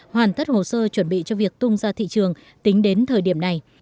hoàn tất hồ sơ chuẩn bị cho việc tung ra thị trường tính đến thời điểm này